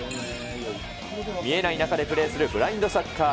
見えない中でプレーするブラインドサッカー。